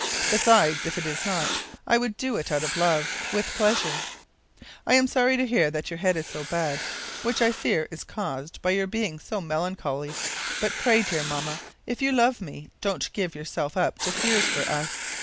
Besides, if it is not, I would do it out of love, with pleasure. I am sorry to hear that your head is so bad, which I fear is caused by your being so melancholy; but pray, dear Mamma, if you love me, don't give yourself up to fears for us.